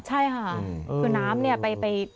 ใช่ค่ะคือน้ำเนี่ยไป